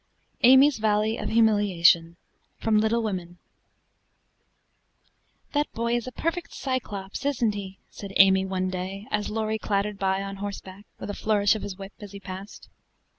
AMY'S VALLEY OF HUMILIATION From 'Little Women' "That boy is a perfect Cyclops, isn't he?" said Amy one day, as Laurie clattered by on horseback, with a flourish of his whip as he passed.